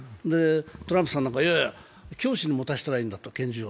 トランプさんなんか、教師に拳銃を持たせればいいんだと。